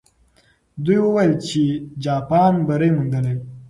دوی وویل چې جاپان بری موندلی.